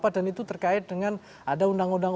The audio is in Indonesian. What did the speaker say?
dan itu terkait dengan ada undang undang